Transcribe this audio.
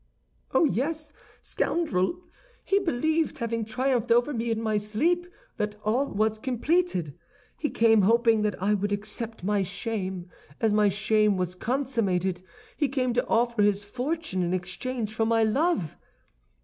"Oh, yes, scoundrel! He believed, having triumphed over me in my sleep, that all was completed. He came, hoping that I would accept my shame, as my shame was consummated; he came to offer his fortune in exchange for my love.